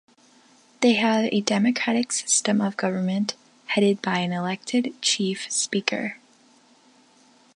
They have a democratic system of government, headed by an elected Chief Speaker.